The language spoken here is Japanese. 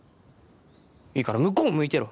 いいから向こう向いてろ。